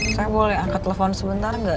saya boleh angkat telepon sebentar nggak